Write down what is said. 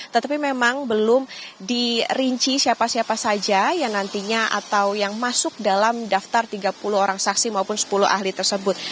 tetapi memang belum dirinci siapa siapa saja yang nantinya atau yang masuk dalam daftar tiga puluh orang saksi maupun sepuluh ahli tersebut